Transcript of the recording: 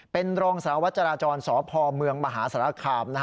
เป็นรองสารวัตรจาราจรสพมบสารคาม